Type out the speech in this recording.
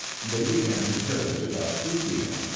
and they began to pillage about two P. M.